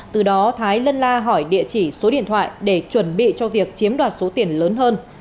từ đó thái lân la hỏi địa chỉ số điện thoại để chuẩn bị cho việc chiếm đoạt số tiền lớn hơn